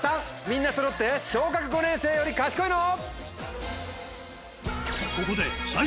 みんなそろって小学５年生より賢いの？